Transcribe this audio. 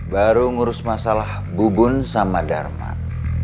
baru ngurus masalah bubun sama darman